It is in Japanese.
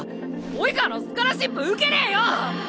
「生川」のスカラシップ受けねぇよ！